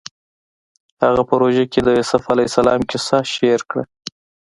هغه په روژه کې د یوسف علیه السلام کیسه شعر کړه